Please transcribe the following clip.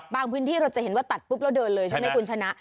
พื้นที่เราจะเห็นว่าตัดปุ๊บแล้วเดินเลยใช่ไหมคุณชนะ